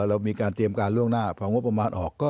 เรามีการเตรียมการล่วงหน้า